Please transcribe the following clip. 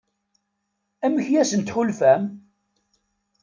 Amek i asent-tḥulfam?